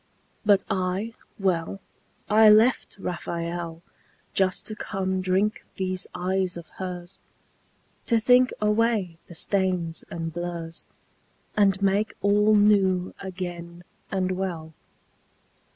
But I, well, I left Raphael Just to come drink these eyes of hers, To think away the stains and blurs And make all new again and well.